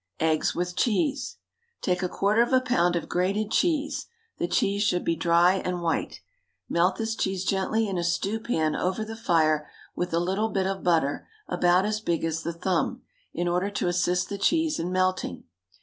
EGGS WITH CHEESE. Take a quarter of a pound of grated cheese (the cheese should be dry and white), melt this cheese gently in a stew pan over the fire, with a little bit of butter about as big as the thumb, in order to assist the cheese in melting.